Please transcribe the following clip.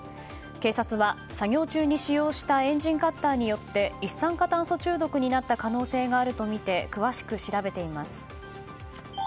警察は作業中に使用したエンジンカッターによって一酸化炭素中毒になった可能性があるとみて詳しく調べています。